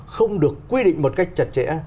không được quy định một cách chặt chẽ